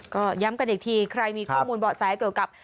ก็ย้ำกันอีกทีใครมีข้อมูลเบาะแสเกี่ยวกับ